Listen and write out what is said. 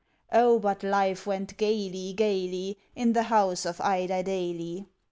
Oh, but life went gayly, gayly, In the house of Idiedaily!